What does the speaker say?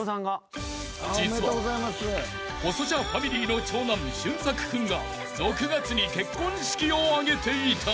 ［実は細シャファミリーの長男竣策君が６月に結婚式を挙げていた］